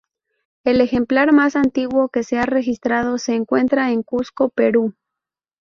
El ejemplar más antiguo que se ha registrado se encuentra en Cuzco, Perú.